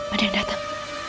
ada yang datang